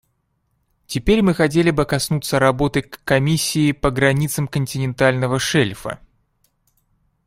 Теперь мы хотели бы коснуться работы Комиссии по границам континентального шельфа.